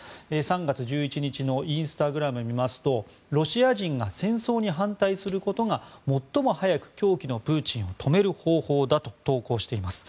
３月１１日のインスタグラムを見ますとロシア人が戦争に反対することが最も早く狂気のプーチンを止める方法だと投稿しています。